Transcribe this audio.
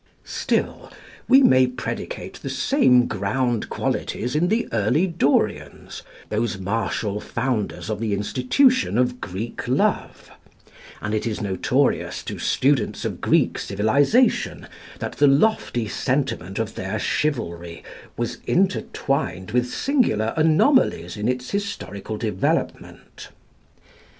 Still, we may predicate the same ground qualities in the early Dorians, those martial founders of the institution of Greek Love; and it is notorious to students of Greek civilisation that the lofty sentiment of their chivalry was intertwined with singular anomalies in its historical development.